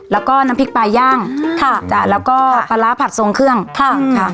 แล้วก็น้ำพริกปลาย่างค่ะจ้ะแล้วก็ปลาร้าผัดทรงเครื่องค่ะค่ะ